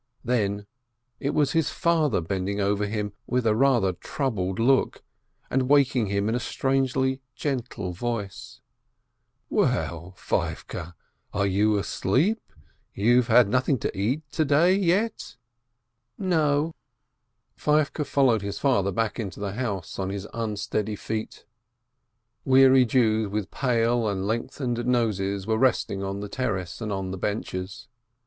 Then — it was his father bending over him with a rather troubled look, and waking him in a strangely gentle voice : "Well, Feivke, are you asleep? You've had nothing to eat to day yet ?" "No ..." COUNTRY FOLK 559 Feivke followed his father back into the house on his unsteady feet. Weary Jews with pale and length ened noses were resting on the terrace and the benches.